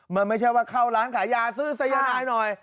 มันไม่ใช่ว่าเข้าร้านขายยาซื้อสายนายหน่อย